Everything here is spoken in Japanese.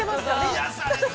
◆癒やされる、